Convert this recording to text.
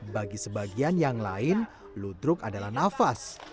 bagi sebagian yang lain ludruk adalah nafas